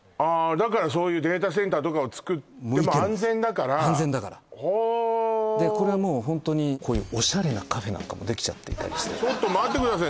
だからそういうデータセンターとかをつくっても安全だからほおこれはもうホントにこういうおしゃれなカフェなんかもできちゃっていたりしてちょっと待ってください